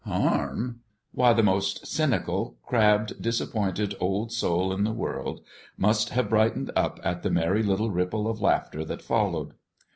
Harm! Why, the most cynical, crabbed, disappointed old soul in the world must have brightened up at the merry little ripple of laughter that followed.